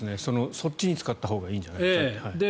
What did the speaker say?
そっちに使ったほうがいいんじゃないかと。